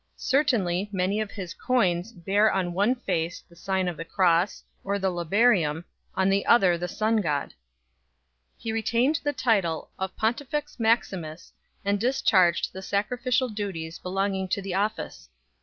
Certainly many of his coins bear on one face the sign of the Cross or the Labarmn7~on the other the sun god 3 . He retained the title of Pontifex Maximus and discharged the sacrificial duties belonging to the office.